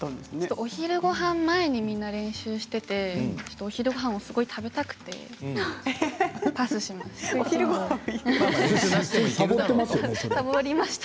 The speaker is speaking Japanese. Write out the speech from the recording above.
お昼ごはん前に練習していて、お昼ごはんをすごく食べたくてパスしました。